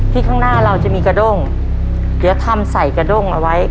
ข้างหน้าเราจะมีกระด้งเดี๋ยวทำใส่กระด้งเอาไว้